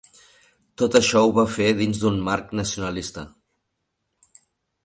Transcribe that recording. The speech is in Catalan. Tot això ho va fer dins d'un marc nacionalista.